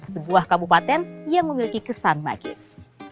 sebuah kabupaten yang memiliki kesan magis